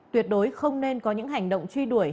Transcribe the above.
tuyệt đối không nên có những hành động truy đuổi